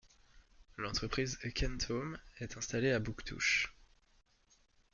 L'entreprise Kent Homes est installée à Bouctouche.